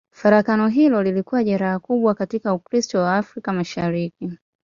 Farakano hilo lilikuwa jeraha kubwa katika Ukristo wa Afrika Kaskazini.